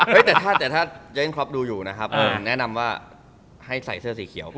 เฮ้ยแต่ถ้าเจ้าเล่นครอปดูอยู่นะครับแนะนำว่าให้ใส่เสื้อสีเขียว